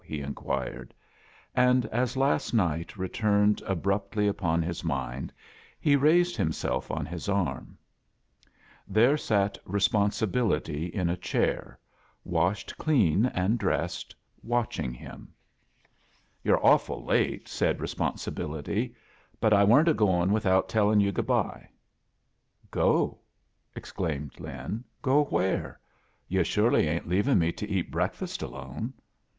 he inquired . and as last night returned abruptly upon his mind, he raised himself on his arm There sat Responsibility in a chao n washed clean and dressed, watching him ^ A JOURNEY IN SEARCH OF CHRISTMAS "You're awftfl late," said Responsfbil ity. "But I weren't a going without tell ing yoo good bye." "Go?" exclaimed Lin. "Go where? Yo' sorely ain't leavin' me to eat break fast alone?"